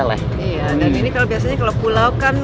iya dan ini kalau biasanya kalau pulau kan